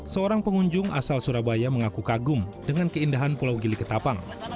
seorang pengunjung asal surabaya mengaku kagum dengan keindahan pulau gili ketapang